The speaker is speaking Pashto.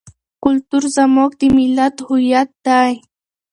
کلتور زموږ د ملت هویت دی.